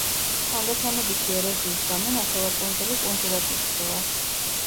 თანდათანობითი ეროზიის გამო ნახევარკუნძული კუნძულად იქცევა.